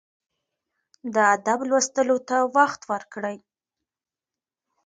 د ادب لوستلو ته وخت ورکړئ.